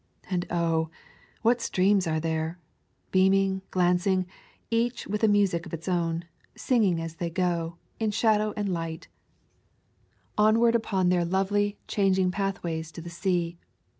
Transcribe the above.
And oh! what streams are there! beam ing, glancing, each with music of its own, sing ing as they go, in shadow and light, onward [ 189 ] A Thousand Mile Walk upon their lovely, changing pathways to the sea.